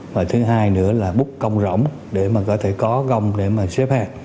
và thứ hai nữa là bút công rỗng để mà có thể có gông để mà xếp hàng